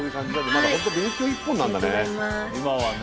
まだホント勉強一本なんだね。